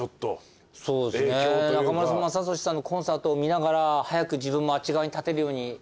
中村雅俊さんのコンサートを見ながら早く自分もあっち側に立てるように。